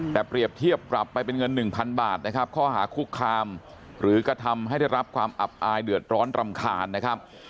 แต่เปรียบเทียบปรับไปเป็นเงิน๑๐๐บาทนะครับข้อหาคุกคามหรือกระทำให้ได้รับความอับอายเดือดร้อนรำคาญนะครับ